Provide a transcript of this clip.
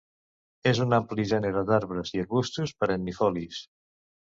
És un ampli gènere d'arbres i arbustos perennifolis.